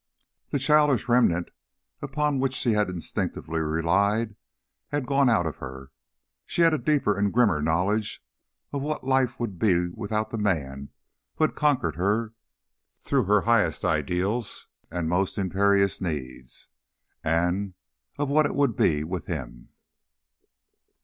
The childish remnant upon which she had instinctively relied had gone out of her, she had a deeper and grimmer knowledge of what life would be without the man who had conquered her through her highest ideals and most imperious needs; and of what it would be with him.